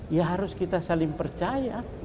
ya harus kita saling percaya